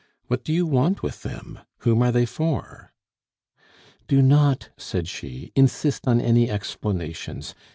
What do you want with them? Whom are they for?" "Do not," said she, "insist on any explanations.